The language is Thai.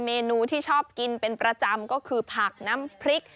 เมนูที่ชอบกินเป็นประจำก็คือผักน้ำพริก